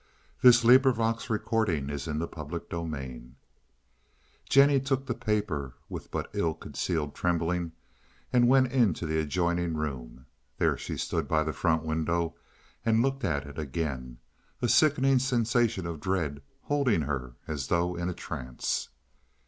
"He died at ten o'clock this morning." CHAPTER IX Jennie took the paper with but ill concealed trembling and went into the adjoining room. There she stood by the front window and looked at it again, a sickening sensation of dread holding her as though in a trance.